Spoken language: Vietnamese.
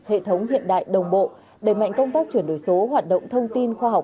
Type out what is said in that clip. hệ thống hiện đại đồng bộ đẩy mạnh công tác chuyển đổi số hoạt động thông tin khoa học